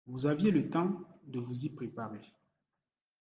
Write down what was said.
Vous aviez le temps de vous y préparer.